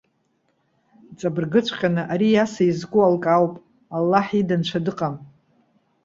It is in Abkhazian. Иҵабыргыҵәҟьаны ари Иаса изку алкаауп. Аллаҳ ида нцәа дыҟам.